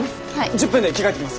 １０分で着替えてきます。